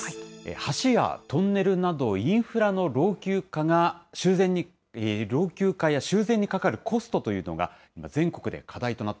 橋やトンネルなど、インフラの老朽化や修繕にかかるコストというのが今、全国で課題